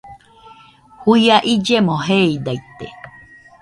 Juia illeno jeeidaite